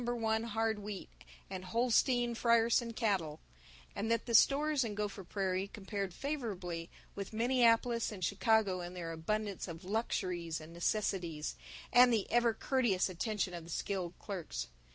1 Hard Wheat and Holstein Friesian cattle; and that the stores in Gopher Prairie compared favorably with Minneapolis and Chicago in their abundance of luxuries and necessities and the ever courteous attention of the skilled clerks.